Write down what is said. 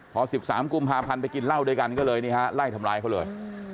พอสิบสามกุมพาพันธุ์ไปกินเหล้าด้วยกันก็เลยไล่ทำร้ายเขาเลย